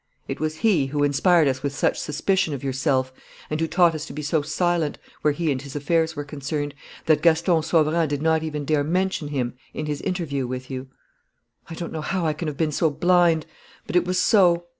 It was he who inspired us with such suspicion of yourself and who taught us to be so silent, where he and his affairs were concerned, that Gaston Sauverand did not even dare mention him in his interview with you. "I don't know how I can have been so blind. But it was so.